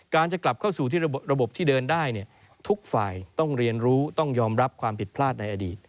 จะกลับเข้าสู่ที่ระบบที่เดินได้ทุกฝ่ายต้องเรียนรู้ต้องยอมรับความผิดพลาดในอดีต